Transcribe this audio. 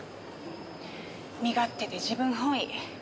身勝手で自分本位。